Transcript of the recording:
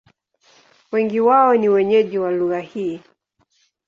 Wengi wao ni wenyeji wa lugha hii.